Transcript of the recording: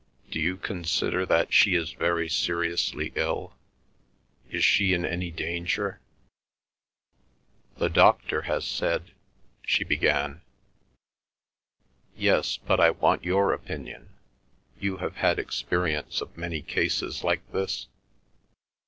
Do you consider that she is very seriously ill? Is she in any danger?" "The doctor has said—" she began. "Yes, but I want your opinion. You have had experience of many cases like this?"